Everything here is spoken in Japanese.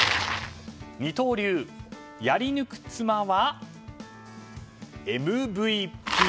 「二刀流やり抜く妻はＭＶＰ」。